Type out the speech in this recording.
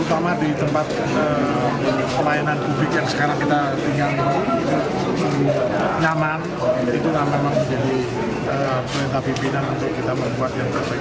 itu akan menjadi perintah pimpinan untuk kita membuat yang terbaik